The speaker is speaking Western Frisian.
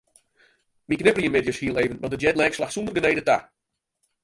Wy knipperje middeis hiel even want de jetlag slacht sûnder genede ta.